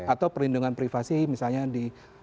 atau perlindungan privasi misalnya di perlindungan data pribadi